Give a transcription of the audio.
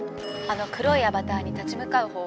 「あの黒いアバターに立ちむかう